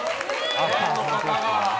ファンの方が。